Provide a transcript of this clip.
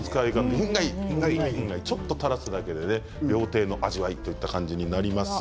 ちょっと垂らすだけで料亭の味わいになります。